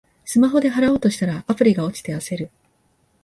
スマホで払おうとしたら、アプリが落ちて焦る